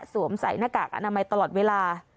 สวมใส่หน้ากากอนามัยตลอดเวลา